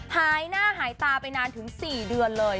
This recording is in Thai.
หายหน้าหายตาไปนานถึง๔เดือนเลย